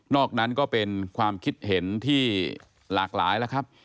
อกนั้นก็เป็นความคิดเห็นที่หลากหลายแล้วครับ